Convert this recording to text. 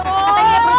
katanya punya teman